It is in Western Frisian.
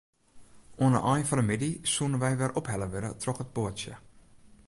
Oan 'e ein fan 'e middei soene wy wer ophelle wurde troch it boatsje.